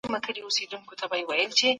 ملاحسن ساګزى ملا صالح محمد داوى